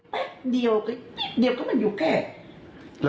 แป๊บเดียวเดี๋ยวก็มันอยู่แค่